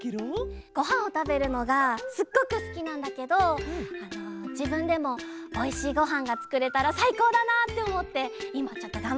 ごはんをたべるのがすっごくすきなんだけどじぶんでもおいしいごはんがつくれたらさいこうだなっておもっていまちょっとがんばってるんだ。